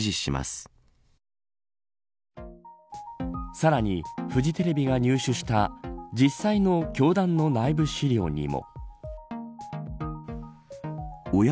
さらに、フジテレビが入手した実際の教団の内部資料にも。